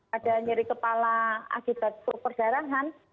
pada nyeri kepala akibat struk perdarahan